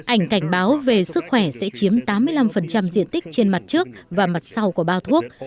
ảnh cảnh báo về sức khỏe sẽ chiếm tám mươi năm diện tích trên mặt trước và mặt sau của bao thuốc